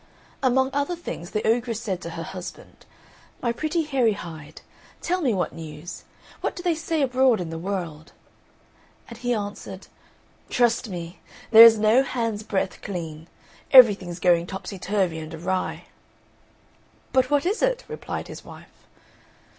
Among other things the ogress said to her husband, "My pretty Hairy Hide, tell me what news; what do they say abroad in the world?" And he answered, "Trust me, there is no hand's breadth clean; everything's going topsy turvy and awry." "But what is it?" replied his wife.